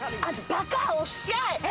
バカおっしゃい。